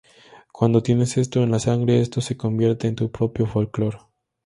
Cuando tienes esto en la sangre, esto se convierte en tu propio folklore".